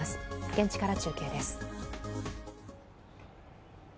現地から中継です。